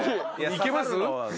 いけます？